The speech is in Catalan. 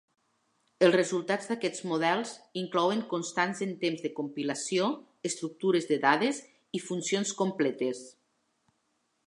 Els resultats d'aquests models inclouen constants en temps de compilació, estructures de dades i funcions completes.